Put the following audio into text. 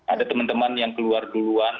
ada teman teman yang keluar duluan